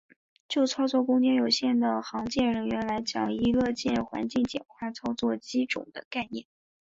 就操作空间有限的航舰人员来讲亦乐见环境简化操作机种的概念。